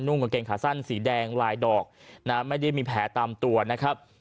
กางเกงขาสั้นสีแดงลายดอกนะไม่ได้มีแผลตามตัวนะครับ